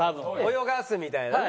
泳がすみたいなね。